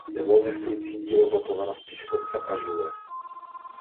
Je volně stojící dílo zhotoveno z pískovce a žuly.